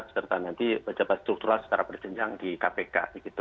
serta nanti pejabat struktural secara berjenjang di kpk